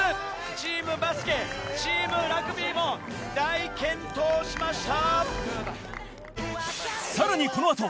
チームバスケチームラグビーも大健闘しました。